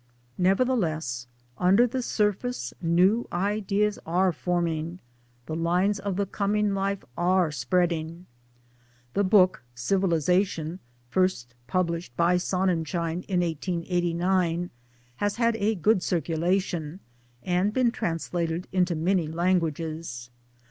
Nevertheless under the surface new ideas are form 1 ing, the lines of the coming life are spreading. The book Civilization first published by, Sonnenschein, in 1889 has had a good circulation, and been trans lated into many languages.